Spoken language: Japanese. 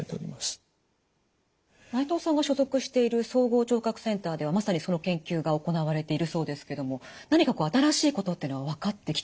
内藤さんが所属している総合聴覚センターではまさにその研究が行われているそうですけども何か新しいことというのは分かってきてるんですか？